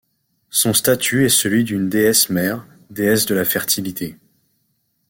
Son statut est celui d'une déesse-mère, déesse de la fertilité.